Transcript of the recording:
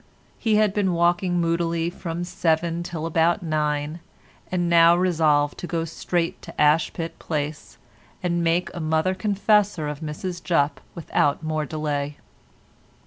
He had been walking moodily from seven till about nine, and now resolved to go straight to Ashpit Place and make a mother confessor of Mrs Jupp without more delay.